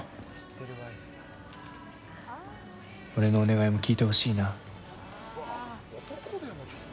俺のお願いも聞いてほしいな。